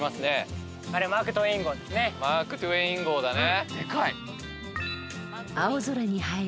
マークトウェイン号だね。